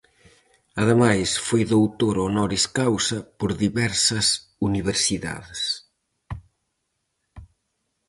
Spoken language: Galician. Ademais foi doutor honoris causa por diversas universidades.